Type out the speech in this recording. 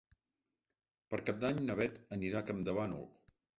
Per Cap d'Any na Bet anirà a Campdevànol.